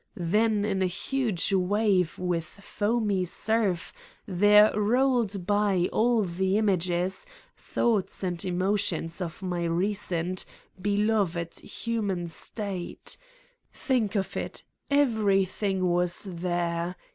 Then in a huge wave with foamy surf there rolled by all the images, thoughts and emo tions of my recent, beloved human state : think of it : everything was there